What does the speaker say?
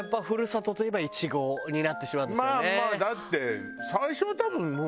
まあまあだって最初は多分もう。